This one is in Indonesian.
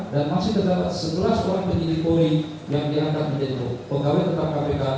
dan masih terdapat sebelas orang pendidik kpui yang diangkat menjadi pegawai tetap kpk